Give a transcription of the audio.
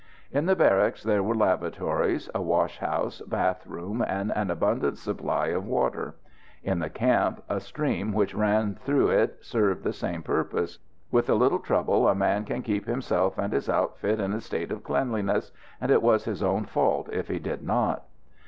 In the barracks there were lavatories, a washhouse, bath room and an abundant supply of water; in the camp a stream which ran through it served the same purposes. With a little trouble a man could keep himself and his outfit in a state of cleanliness, and it was his own fault if he did not.